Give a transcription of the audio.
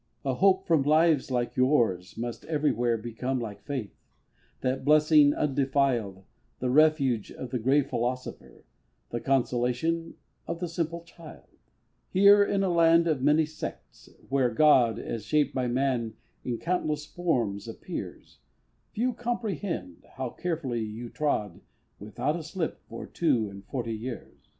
A hope from lives like yours must everywhere Become like faith that blessing undefiled, The refuge of the grey philosopher The consolation of the simple child. Here in a land of many sects, where God As shaped by man in countless forms appears, Few comprehend how carefully you trod Without a slip for two and forty years.